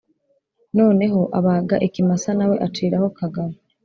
Noneho abaga ikimasa nawe aciraho Kagabo.